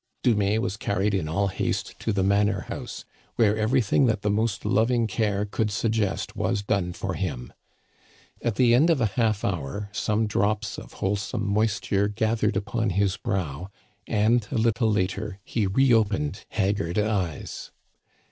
Dumais was carried in all haste to the manor house, where everything that the most loving care could suggest was done for him. At the end of a half hour some drops of wholesome moisture gathered upon his brow, and a little later he reopened haggard eyes.